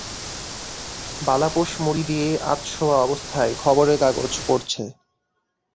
বালাপোশ-মুড়ি দিয়ে আধশোওয়া অবস্থায় খবরের কাগজ পড়ছে।